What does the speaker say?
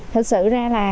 thật sự ra là